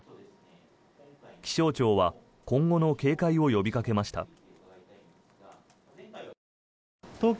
気象庁は今後の警戒を呼びかけました。